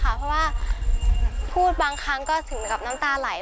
เพราะว่าพูดบางครั้งก็ถึงกับน้ำตาไหล